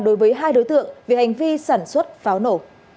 đối với hai đối tượng về hành vi sản xuất pháo nổ